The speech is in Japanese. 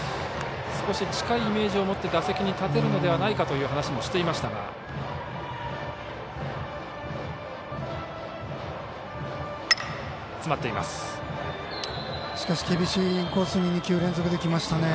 少し近いイメージを持って打席に立てるのではないかという話もしていました。